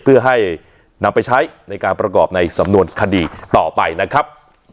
เพื่อให้นำไปใช้ในการประกอบในสำนวนคดีต่อไปนะครับ